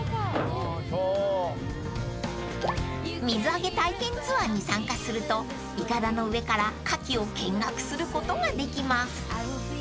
［水揚げ体験ツアーに参加すると筏の上からカキを見学することができます］